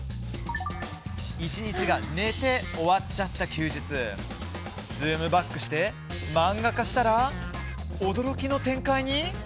一日が寝て終わっちゃった休日ズームバックして漫画化したら驚きの展開に！？